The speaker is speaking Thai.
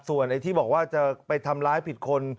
ส่วนไอ้ที่บอกว่าจะไปทำร้ายผิดคน